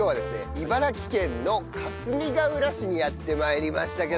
茨城県のかすみがうら市にやって参りましたけども。